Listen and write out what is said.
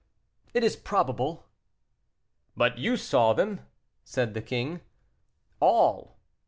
"It is probable." "But you saw them?" said the king. "All."